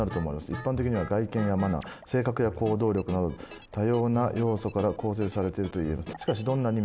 一般的には外見やマナー性格や行動力など多様な要素から構成されていると言えます」。